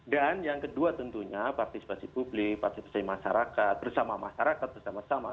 dan yang kedua tentunya partisipasi publik partisipasi masyarakat bersama masyarakat bersama sama